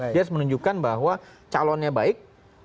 dia harus menunjukkan bahwa calonnya baik